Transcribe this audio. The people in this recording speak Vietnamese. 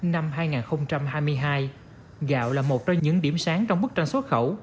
năm hai nghìn hai mươi hai gạo là một trong những điểm sáng trong bức tranh xuất khẩu